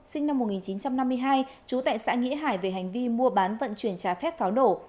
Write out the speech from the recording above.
sinh năm một nghìn chín trăm năm mươi hai trú tại xã nghĩa hải về hành vi mua bán vận chuyển trái phép pháo nổ